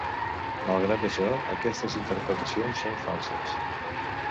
Malgrat això, aquestes interpretacions són falses.